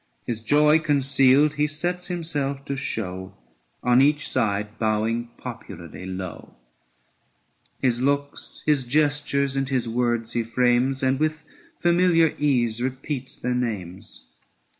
His joy concealed, he sets himself to show, On each side bowing popularly low, His looks, his gestures, and his words he frames 690 And with familiar ease repeats their names.